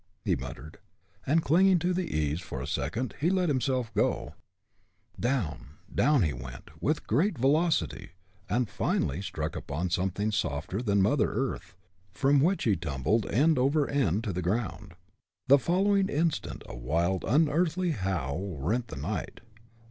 he muttered. And clinging to the eaves for a second, he let himself drop. Down down he went, with great velocity, and finally struck upon something softer than mother earth, from which he tumbled end over end to the ground. The following instant a wild, unearthly howl rent the night.